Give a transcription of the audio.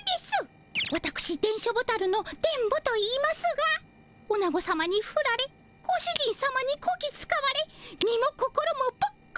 わたくし電書ボタルの電ボといいますがオナゴさまにフラれご主人さまにこき使われ身も心もボッコボコ。